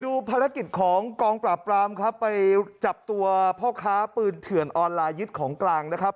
ภารกิจของกองปราบปรามครับไปจับตัวพ่อค้าปืนเถื่อนออนไลน์ยึดของกลางนะครับ